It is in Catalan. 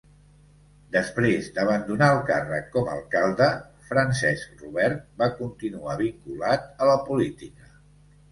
Després d'abandonar el càrrec com a alcalde, Francesc Robert va continuar vinculat a la política.